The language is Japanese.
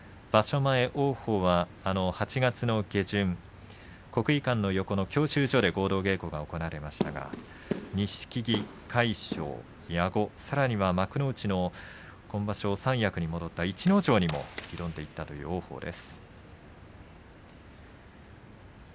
前王鵬は８月の下旬国技館の横の教習所で合同稽古が行われましたが錦木、魁勝、矢後幕内の今場所三役に戻った逸ノ城にも挑んでいったという王鵬です。